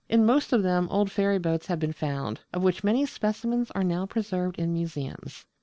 In most of them old ferry boats have been found, of which many specimens are now preserved in museums.